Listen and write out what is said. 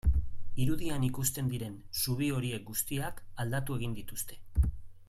Irudian ikusten diren zubi horiek guztiak aldatu egin dituzte.